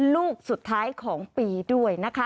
ลูกสุดท้ายของปีด้วยนะคะ